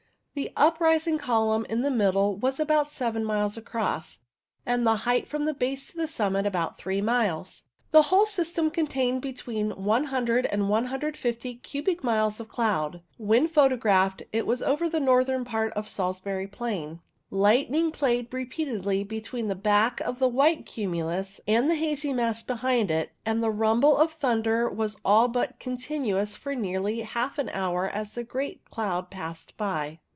The uprising column in the middle was about 7 miles across, and the height from base to summit about 3 miles. The whole system contained between 100 and 150 cubic miles of cloud. When photographed it was over the northern part of Salisbury Plain. Light ning played repeatedly between the back of the white cumulus and the hazy mass behind it, and the rumble of thunder was all but continuous for nearly half an hour as the great cloud passed by.